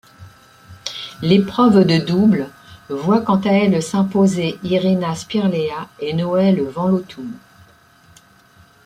L'épreuve de double voit quant à elle s'imposer Irina Spîrlea et Noëlle van Lottum.